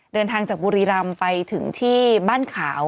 เดินทางจากบุรีรำไปถึงที่บ้านขาว